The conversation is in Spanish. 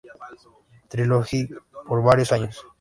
Trilogy" por varios años.